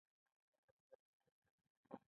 د تیلو بیه په کرایه اغیز لري